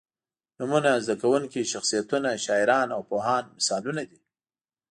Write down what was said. نومونه، زده کوونکي، شخصیتونه، شاعران او پوهان مثالونه دي.